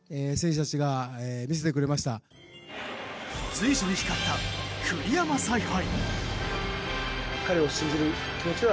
随所に光った栗山采配。